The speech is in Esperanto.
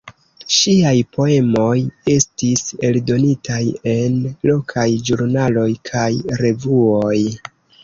Ŝiaj poemoj estis eldonitaj en lokaj ĵurnaloj kaj revuoj.